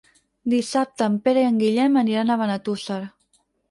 Dissabte en Pere i en Guillem aniran a Benetússer.